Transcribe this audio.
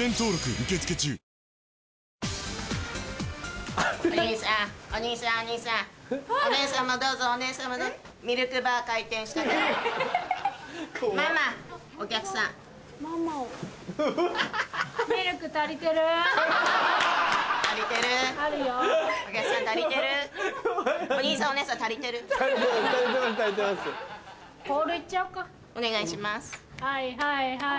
はいはいはいはい。